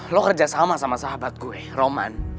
lo kerja sama sama sahabat gue roman